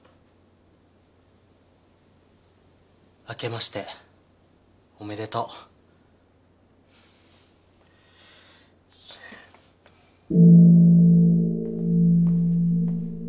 あけましておめでとう。